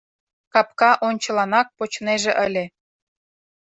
Капка ончыланак почнеже ыле.